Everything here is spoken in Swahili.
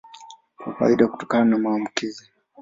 Kwa kawaida hutokana na maambukizi.